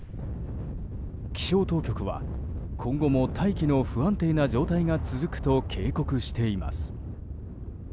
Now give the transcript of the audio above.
気象当局は、今後も大気の不安定な状態が続くと警告しています。